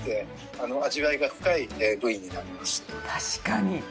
確かに。